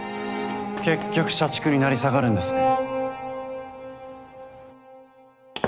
・結局社畜に成り下がるんですね。